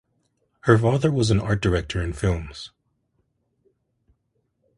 Her father was an art director in films.